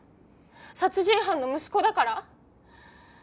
殺人犯の息子だから？